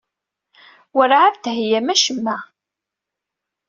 Werɛad d-theyyam acemma.